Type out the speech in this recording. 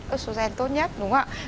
oxygen tốt nhất đúng không ạ